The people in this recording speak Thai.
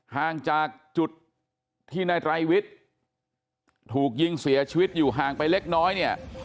ห่างจากจุดที่นายไตรวิทย์ถูกยิงเสียชีวิตอยู่ห่างไปเล็กน้อยเนี่ย